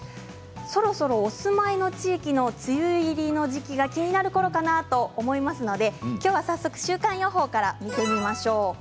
そろそろお住まいの地域の梅雨入りの時期が気になるころかなと思いますのできょうは早速、週間予報から見てみましょう。